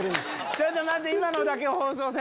ちょっと待って！